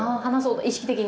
意識的に？